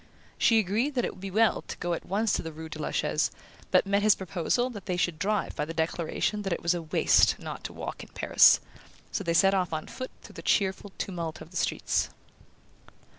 She agreed that it would be well to go at once to the rue de la Chaise, but met his proposal that they should drive by the declaration that it was a "waste" not to walk in Paris; so they set off on foot through the cheerful tumult of the streets.